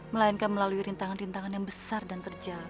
melainkan melalui rintangan rintangan yang besar dan terjal